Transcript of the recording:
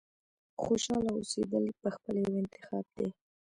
• خوشحاله اوسېدل پخپله یو انتخاب دی.